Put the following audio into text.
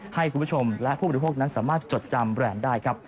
ให้คุณผู้ชมและผู้บริโภคนั้นสามารถจดจำแบรนด์ได้ครับ